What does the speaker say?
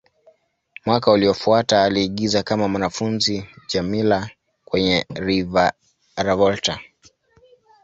Mwaka uliofuata, aliigiza kama mwanafunzi Djamila kwenye "Reviravolta".